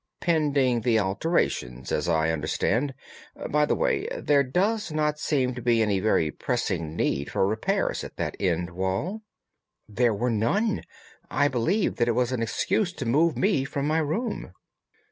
"Pending the alterations, as I understand. By the way, there does not seem to be any very pressing need for repairs at that end wall." "There were none. I believe that it was an excuse to move me from my room."